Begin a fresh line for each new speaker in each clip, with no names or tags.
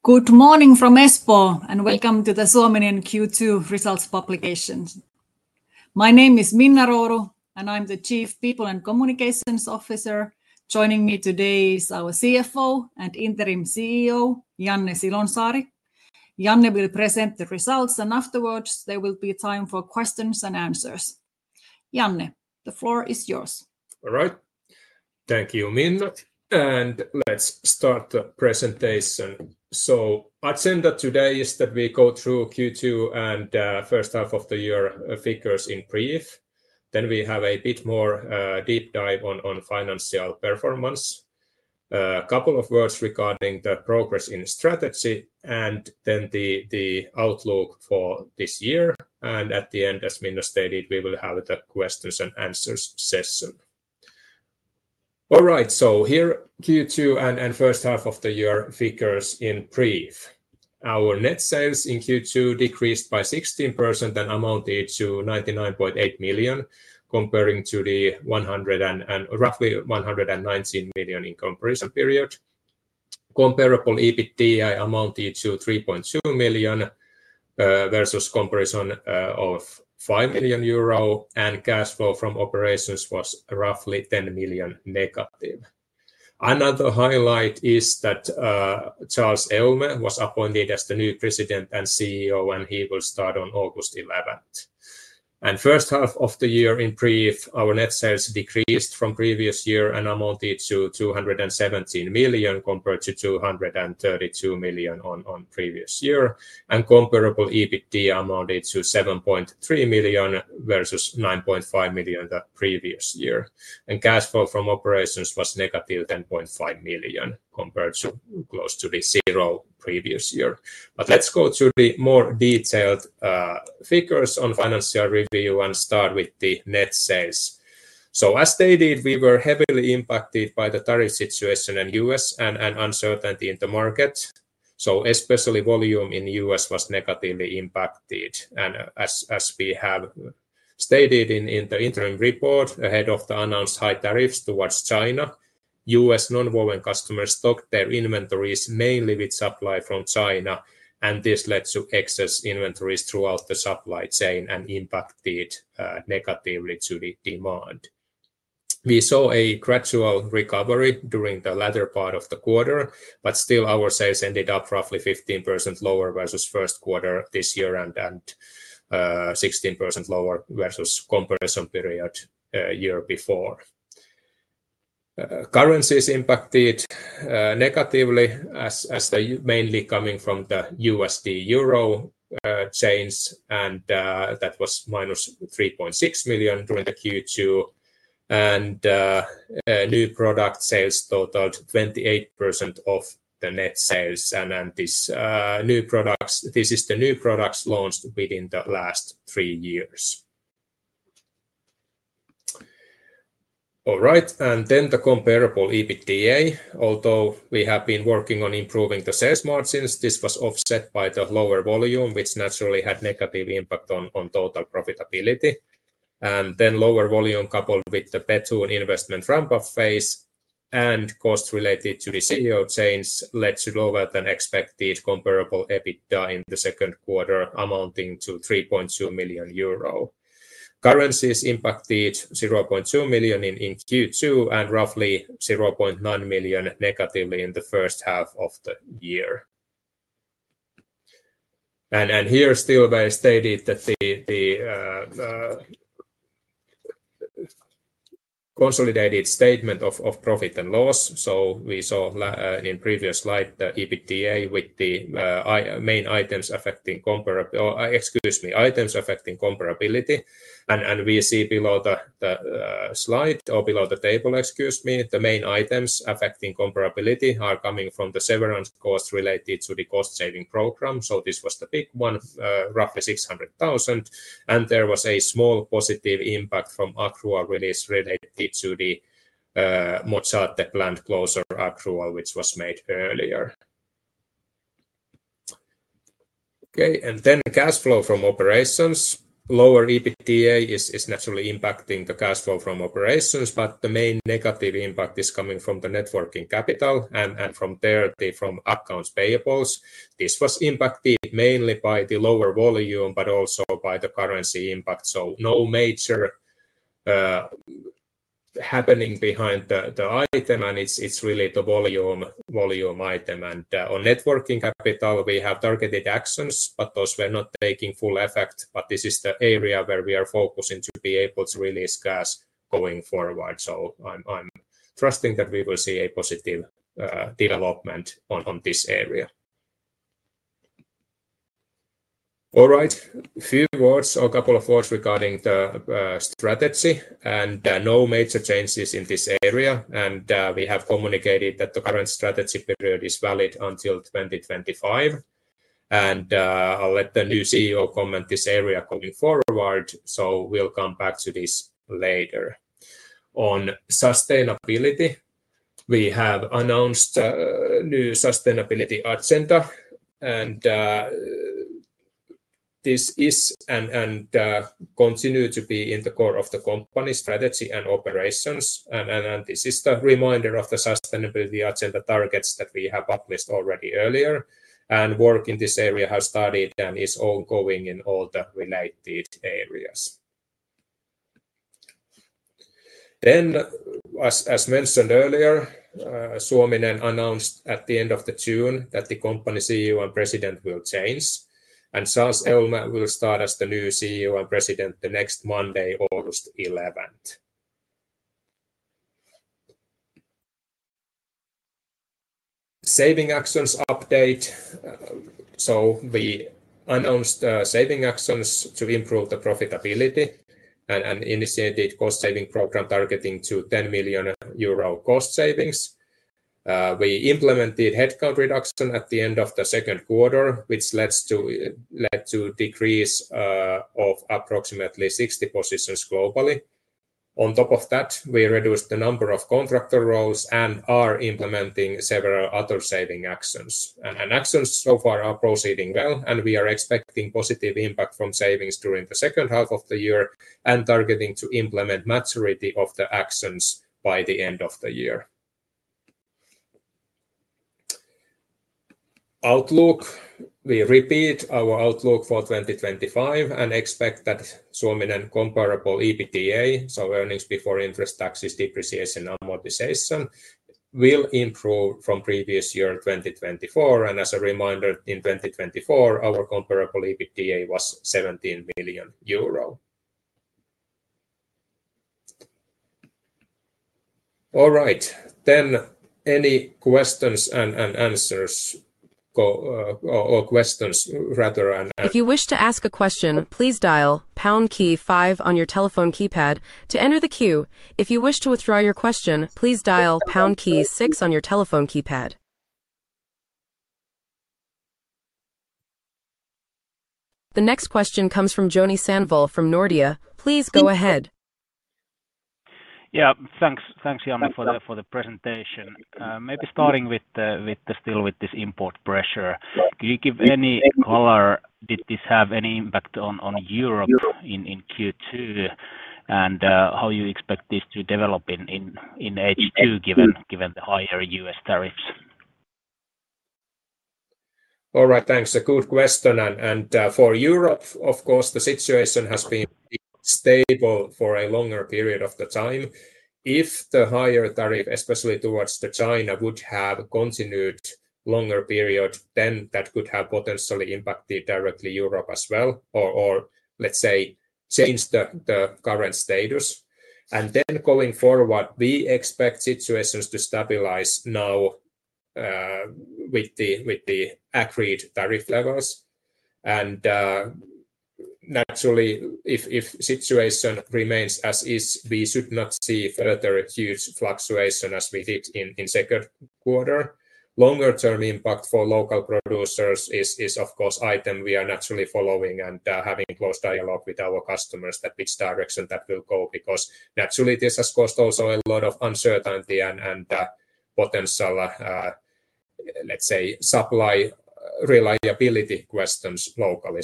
Good morning from Espoo and welcome to the Suominen Q2 results publication. My name is Minna Rouru and I'm the Chief People and Communications Officer. Joining me today is our CFO and Interim CEO, Janne Silonsaari. Janne will present the results and afterwards there will be time for questions and answers. Janne, the floor is yours.
Alright, thank you, Minna. Let's start the presentation. The agenda today is that we go through Q2 and the first half of the year figures in brief. Then we have a bit more deep dive on financial performance, a couple of words regarding the progress in strategy, and then the outlook for this year. At the end, as Minna stated, we will have the questions and answers session. Alright, here are Q2 and first half of the year figures in brief. Our net sales in Q2 decreased by 16% and amounted to €99.8 million, compared to roughly €119 million in the comparison period. Comparable EBITDA amounted to €3.2 million versus a comparison of €5 million, and cash flow from operations was roughly -€10 million. Another highlight is that Charles Héaulmé was appointed as the new President and CEO, and he will start on August 11th. For the first half of the year in brief, our net sales decreased from the previous year and amounted to €217 million compared to €232 million in the previous year. Comparable EBITDA amounted to €7.3 million versus €9.5 million the previous year. Cash flow from operations was -€10.5 million compared to close to €0 the previous year. Let's go to the more detailed figures on financial review and start with the net sales. As stated, we were heavily impacted by the tariff situation in the U.S. and uncertainty in the market. Especially volume in the U.S., was negatively impacted. As we have stated in the interim report, ahead of the announced high tariffs towards China, U.S. nonwovens customers stocked their inventories mainly with supply from China, and this led to excess inventories throughout the supply chain and impacted negatively the demand. We saw a gradual recovery during the latter part of the quarter, but still our sales ended up roughly 15% lower versus the first quarter this year and 16% lower versus the comparison period a year before. Currencies impacted negatively as they mainly come from the USD/EUR changes, and that was -€3.6 million during Q2. New product sales totaled 28% of the net sales, and this is the new products launched within the last three years. Alright, then the comparable EBITDA, although we have been working on improving the sales margins, this was offset by the lower volume, which naturally had a negative impact on total profitability. Lower volume coupled with the BETUN investment ramp-up phase and costs related to the CEO change led to lower than expected comparable EBITDA in the second quarter, amounting to €3.2 million. Currencies impacted €0.2 million in Q2 and roughly €0.9 million negatively in the first half of the year. As stated, the consolidated statement of profit and loss shows in previous slides the EBITDA with the main items affecting comparability, and below the table, the main items affecting comparability are coming from the severance costs related to the cost-saving program. This was the big one, roughly €600,000. There was a small positive impact from accrual release related to the Mozzate planned closure accrual, which was made earlier. Cash flow from operations: lower EBITDA is naturally impacting the cash flow from operations, but the main negative impact is coming from the net working capital and from there the accounts payables. This was impacted mainly by the lower volume, but also by the currency impact. No major happening behind the item, and it's really the volume item. On net working capital, we have targeted actions, but those were not taking full effect. This is the area where we are focusing to be able to release cash going forward. I'm trusting that we will see a positive development in this area. A few words regarding the strategy: no major changes in this area. We have communicated that the current strategy period is valid until 2025. I'll let the new CEO comment on this area going forward. We will come back to this later. On sustainability, we have announced the new sustainability agenda, and this is and continues to be in the core of the company strategy and operations. This is the reminder of the sustainability agenda targets that we have administered already earlier. Work in this area has started and is ongoing in all the related areas. As mentioned earlier, Suominen announced at the end of June that the company's CEO and President will change, and Charles Héaulmé will start as the new CEO and President next Monday, August 11th. Saving actions update: we announced saving actions to improve the profitability and initiated a cost-saving program targeting €10 million cost savings. We implemented headcount reduction at the end of the second quarter, which led to a decrease of approximately 60 positions globally. On top of that, we reduced the number of contractor roles and are implementing several other saving actions. Actions so far are proceeding well, and we are expecting positive impact from savings during the second half of the year and targeting to implement the majority of the actions by the end of the year. Outlook. We repeat our outlook for 2025 and expect that Suominen comparable EBITDA, so earnings before interest, taxes, depreciation, and amortization, will improve from previous year 2024. As a reminder, in 2024, our comparable EBITDA was €17 million. Alright, any questions and answers or questions rather?
If you wish to ask a question, please dial Pound key, five on your telephone keypad to enter the queue. If you wish to withdraw your question, please dial Pound key, six on your telephone keypad. The next question comes from Joni Sandvall from Nordea. Please go ahead.
Thanks, Janne, for the presentation. Maybe starting with this import pressure, can you give any color? Did this have any impact on Europe in Q2, and how do you expect this to develop in H2 given the higher U.S., tariffs?
Alright, thanks. A good question. For Europe, of course, the situation has been stable for a longer period of time. If the higher tariff, especially towards China, would have continued a longer period, that could have potentially impacted directly Europe as well, or let's say changed the current status. Going forward, we expect situations to stabilize now with the agreed tariff levels. Naturally, if the situation remains as is, we should not see further huge fluctuation as we did in the second quarter. Longer term impact for local producers is, of course, an item we are naturally following and having close dialogue with our customers that which direction that will go, because naturally this has caused also a lot of uncertainty and potential, let's say, supply reliability questions locally.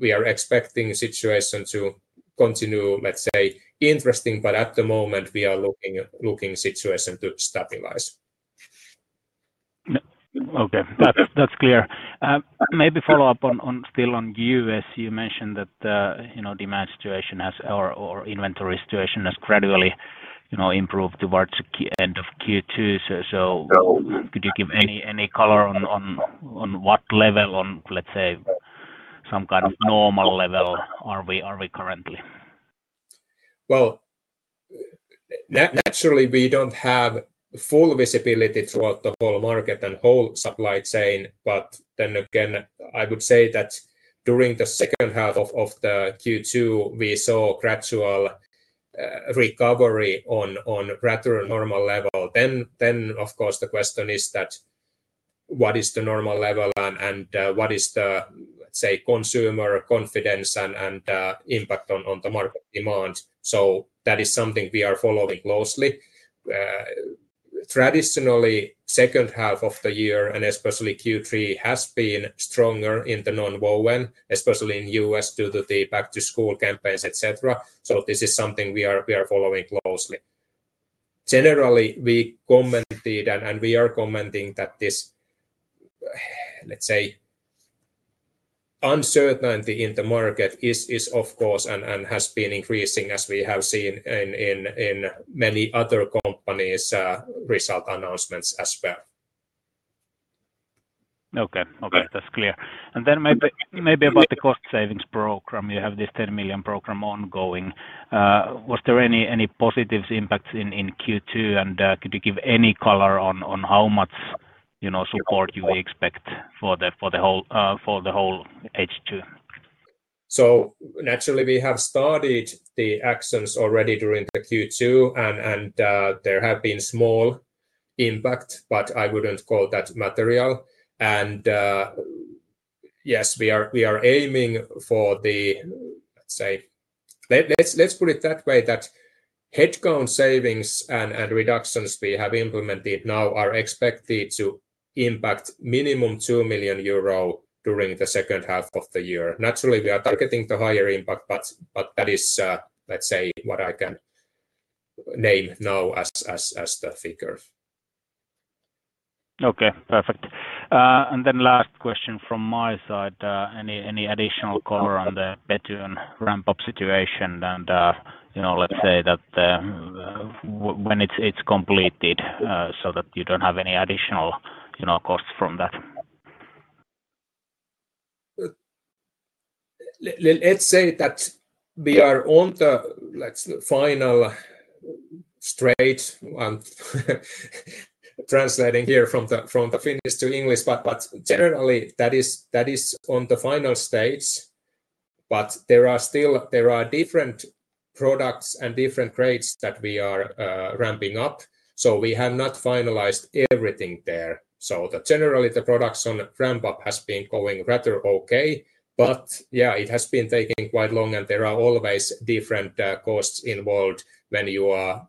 We are expecting the situation to continue, let's say, interesting, but at the moment we are looking for the situation to stabilize.
Okay, that's clear. Maybe follow up still on U.S. You mentioned that the demand situation or inventory situation has gradually improved towards the end of Q2. Could you give any color on what level, let's say, some kind of normal level are we currently?
Naturally, we don't have full visibility throughout the bull market and whole supply chain. I would say that during the second half of Q2, we saw a gradual recovery on a rather normal level. Of course, the question is what is the normal level and what is the, let's say, consumer confidence and impact on the market demand? That is something we are following closely. Traditionally, the second half of the year and especially Q3 has been stronger in nonwovens, especially in the U.S., due to the back-to-school campaigns, etc. This is something we are following closely. Generally, we commented and we are commenting that this, let's say, uncertainty in the market is of course and has been increasing as we have seen in many other companies' result announcements as well.
Okay, that's clear. Maybe about the cost-saving program. You have this $10 million program ongoing. Was there any positive impacts in Q2, and could you give any color on how much support you expect for the whole H2?
Naturally, we have started the actions already during Q2 and there have been small impacts, but I wouldn't call that material. Yes, we are aiming for the, let's say, headcount savings and reductions we have implemented now are expected to impact minimum €2 million during the second half of the year. Naturally, we are targeting the higher impact, but that is, let's say, what I can name now as the figure.
Okay, perfect. Last question from my side. Any additional color on the BETUN ramp-up situation and, you know, let's say that when it's completed so that you don't have any additional costs from that?
Let's say that we are on the final stage, translating here from the Finnish to English, but generally that is on the final stage. There are still different products and different trades that we are ramping up, so we have not finalized everything there. Generally, the production ramp-up has been going rather okay. It has been taking quite long, and there are always different costs involved when you are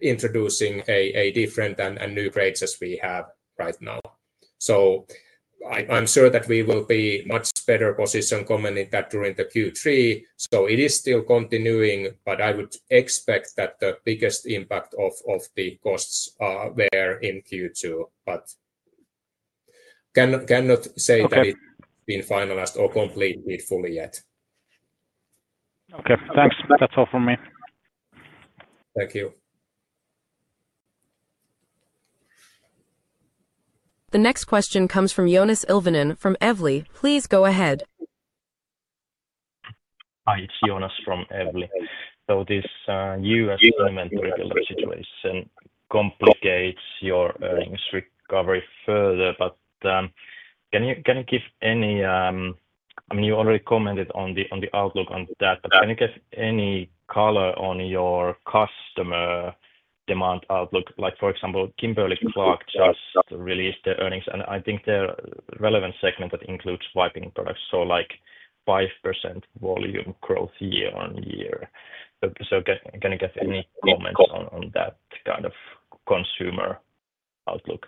introducing a different and new trade as we have right now. I'm sure that we will be in a much better position commenting that during the Q3. It is still continuing, and I would expect that the biggest impact of the costs are there in Q2. I cannot say that it's been finalized or completed fully yet.
Okay, thanks. That's all for me.
Thank you.
The next question comes from Jonas Ilvenen from Evli. Please go ahead.
Hi, it's Jonoas from Evli. This U.S., inventory build-up situation complicates your earnings recovery further. Can you give any, I mean, you already commented on the outlook on that, can you give any color on your customer demand outlook? For example, Kimberly-Clark just released their earnings, and I think their relevant segment that includes wiping products had 5% volume growth year-on-year. Can you give any comments on that kind of consumer outlook?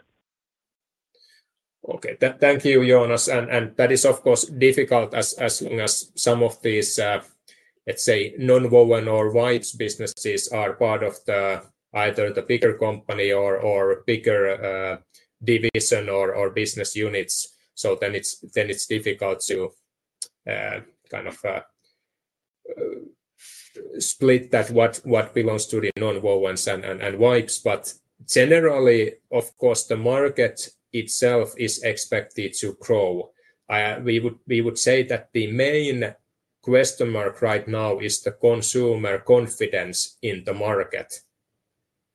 Okay, thank you, Joonas. That is of course difficult as long as some of these, let's say, nonwovens or wipes businesses are part of either the bigger company or bigger division or business units. It's difficult to kind of split that, what belongs to the nonwovens and wipes. Generally, of course, the market itself is expected to grow. We would say that the main question mark right now is the consumer confidence in the market.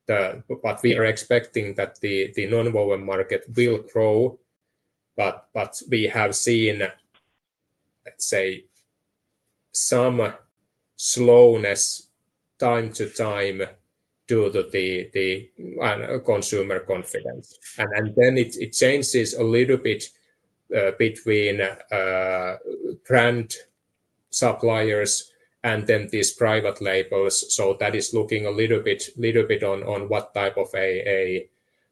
We are expecting that the nonwovens market will grow. We have seen, let's say, some slowness time to time due to the consumer confidence. It changes a little bit between brand suppliers and these private labels. That is looking a little bit on what type of a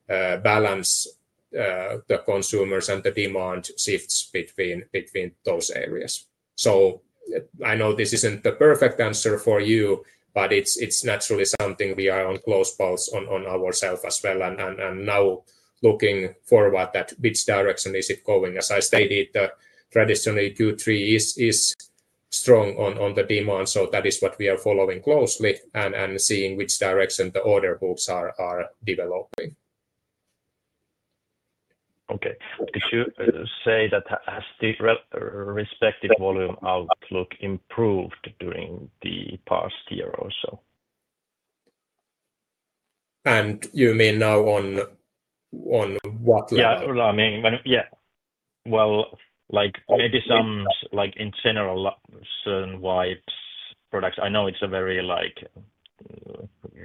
balance the consumers and the demand shifts between those areas. I know this isn't the perfect answer for you, but it's naturally something we are on close pulse on ourselves as well. Now looking forward, which direction is it going? As I stated, traditionally Q3 is strong on the demand. That is what we are following closely and seeing which direction the order books are developing.
Okay. Did you say that has the respective volume outlook improved during the past year or so?
You mean now on what level?
Maybe some, like in general, certain wipes products. I know it's a very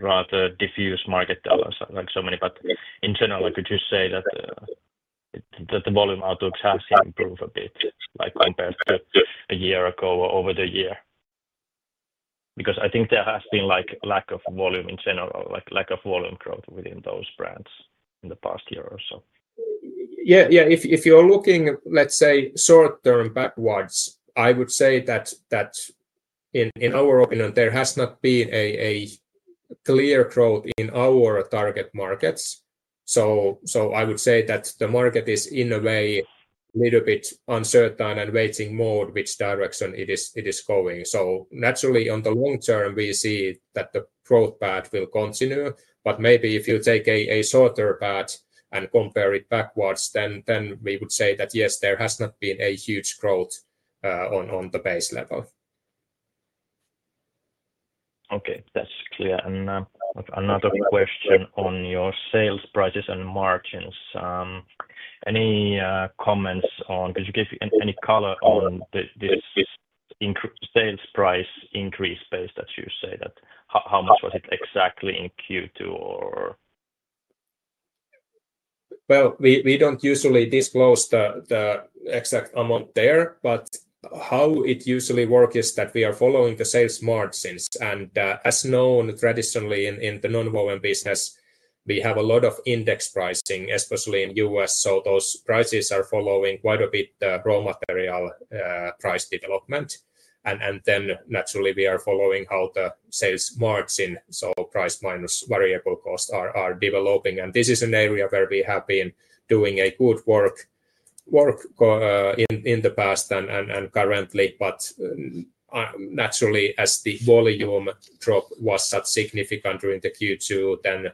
rather diffuse market, like so many. In general, could you say that the volume outlook has improved a bit compared to a year ago or over the year? I think there has been a lack of volume in general, like lack of volume growth within those brands in the past year or so.
Yeah, if you're looking, let's say, short term backwards, I would say that in our opinion, there has not been a clear growth in our target markets. I would say that the market is in a way a little bit uncertain and in waiting mode regarding which direction it is going. Naturally, on the long term, we see that the growth path will continue. Maybe if you take a shorter path and compare it backwards, then we would say that yes, there has not been a huge growth on the base level.
Okay, that's clear. Another question on your sales prices and margins. Any comments on, could you give any color on this sales price increase base that you say, how much was it exactly in Q2?
We don't usually disclose the exact amount there, but how it usually works is that we are following the sales margins. As known traditionally in the nonwovens business, we have a lot of index-linked pricing, especially in the U.S. Those prices are following quite a bit the raw material price development. Naturally, we are following how the sales margin, so price minus variable costs, are developing. This is an area where we have been doing good work in the past and currently. Naturally, as the volume drop was that significant during Q2,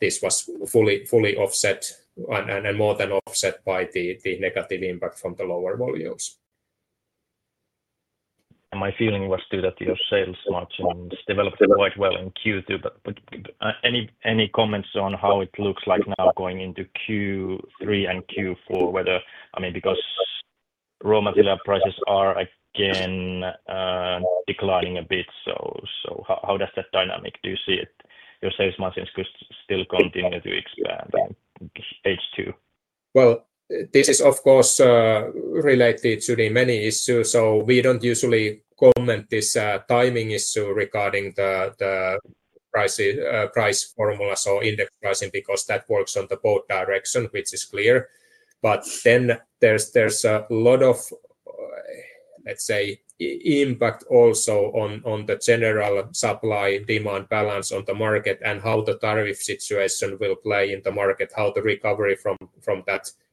this was fully offset and more than offset by the negative impact from the lower volumes.
My feeling was too that your sales margins developed quite well in Q2. Any comments on how it looks like now going into Q3 and Q4, whether, I mean, because raw material prices are again declining a bit? How does that dynamic, do you see it? Your sales margins still continue to expand in H2?
This is of course related to the many issues. We don't usually comment on this timing issue regarding the price formula, so index-linked pricing, because that works in both directions, which is clear. There's a lot of impact also on the general supply-demand balance on the market and how the tariff situation will play in the market, how the recovery from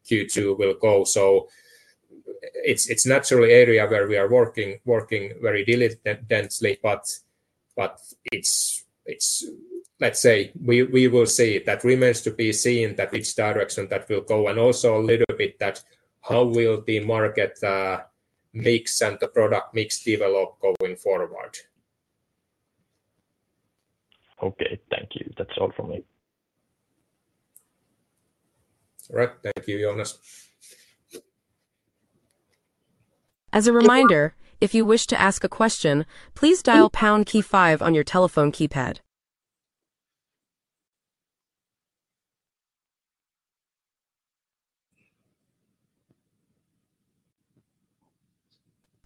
that Q2 will go. It's naturally an area where we are working very diligently. We will see. That remains to be seen which direction that will go and also a little bit how the market mix and the product mix will develop going forward.
Okay, thank you. That's all for me.
Right, thank you, Joonas.
As a reminder, if you wish to ask a question, please dial the Pound key, five on your telephone keypad.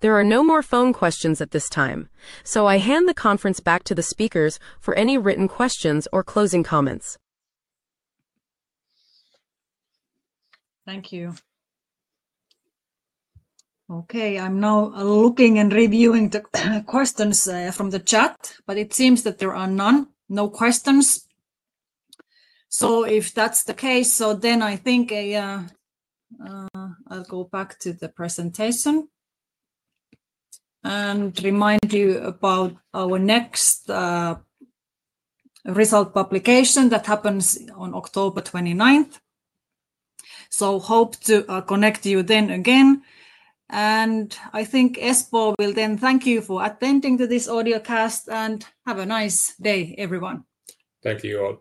There are no more phone questions at this time. I hand the conference back to the speakers for any written questions or closing comments.
Thank you. Okay, I'm now looking and reviewing the questions from the chat, but it seems that there are none, no questions. If that's the case, I think I'll go back to the presentation and remind you about our next result publication that happens on October 29th. Hope to connect you then again. I think Espoo will then thank you for attending to this audiocast and have a nice day, everyone.
Thank you all.